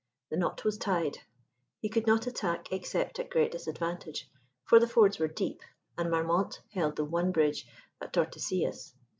The knot was tied. He could not attack except at great disadvantage, for the fords were deep, and Marmont held the one bridge at Tordesillas.